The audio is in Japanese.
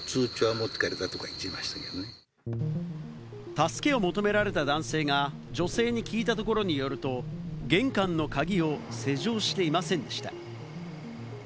助けを求められた男性が女性に聞いたところによると、玄関の鍵を施錠していませんでした。